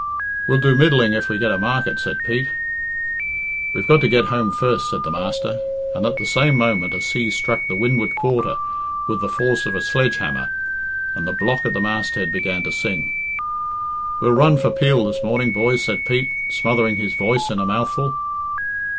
"We'll do middling if we get a market," said Pete. "We've got to get home first," said the master, and at the same moment a sea struck the windward quarter with the force of a sledge hammer, and the block at the masthead began to sing. "We'll run for Peel this morning, boys," said Pete, smothering his voice in a mouthful.